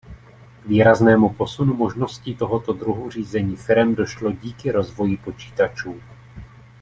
K výraznému posunu možností tohoto druhu řízení firem došlo díky rozvoji počítačů.